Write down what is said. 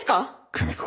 久美子